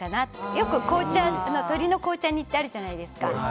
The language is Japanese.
よく鶏肉の紅茶煮あるじゃないですか。